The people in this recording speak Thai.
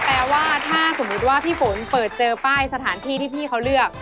แปลว่าถ้าสมมุติว่าพี่ฝนเปิดเจอป้ายสถานที่ที่พี่เขาเลือก